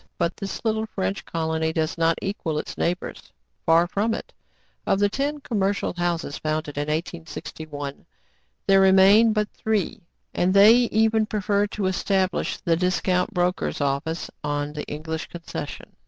But this little French colony does not equal its neighbors : far from it. Of the ten commercial houses founded in 1861, there remain but three; and they even preferred to establish the discount broker's office on the English concession.